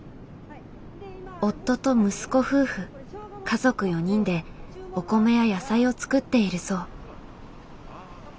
夫と息子夫婦家族４人でお米や野菜をつくっているそう。